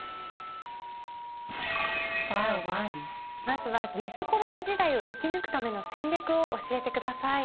まずはウィズコロナ時代を生き抜くための戦略を教えてください。